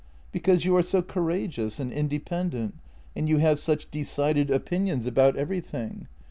"" Because you are so courageous and independent, and you have such decided opinions about everything.